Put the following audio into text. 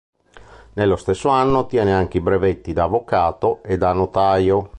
Nello stesso anno ottiene anche i brevetti da avvocato e da notaio.